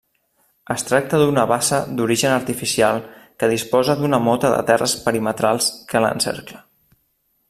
Es tracta d'una bassa d'origen artificial que disposa d'una mota de terres perimetrals que l'encercla.